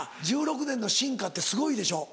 １６年の進化ってすごいでしょ。